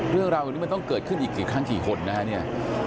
เรื่องราวแบบนี้มันต้องเกิดขึ้นอีกกี่ครั้งกี่คนนะฮะเนี่ย